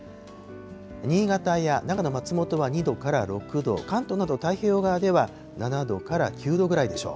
新潟や長野・松本は２度から６度、関東など太平洋側では、７度から９度ぐらいでしょう。